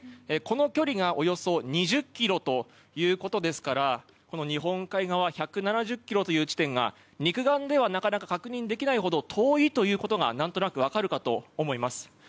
この距離がおよそ２０ｋｍということですからこの日本海側１７０ｋｍという地点が肉眼ではなかなか確認できないほど遠いことが何となく分かるかと思います。